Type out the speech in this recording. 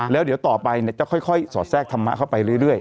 แล้วเดี๋ยวต่อไปจะค่อยสอดแทรกธรรมะเข้าไปเรื่อย